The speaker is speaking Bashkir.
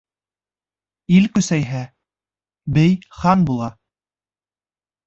Ил көсәйһә, бей хан була.